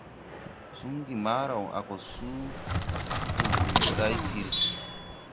Sungu mbaaraw a go suu de wūr moday bii piiri.